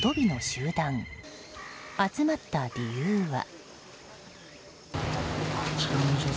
集まった理由は。